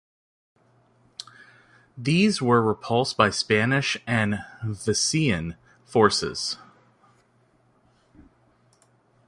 These were repulsed by Spanish and Visayan forces.